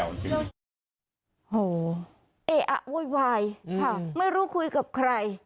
โอ้โฮเอ๊ะอะโว๊ยวายไม่รู้คุยกับใคร